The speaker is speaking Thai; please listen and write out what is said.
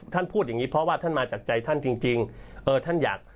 พูดอย่างงี้เพราะว่าท่านมาจากใจท่านจริงจริงเออท่านอยาก